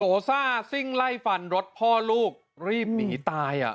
ซ่าซิ่งไล่ฟันรถพ่อลูกรีบหนีตายอ่ะ